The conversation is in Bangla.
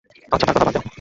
আচ্ছা তার কথা বাদ দেও।